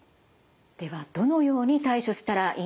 ではどのように対処したらいいんでしょうか。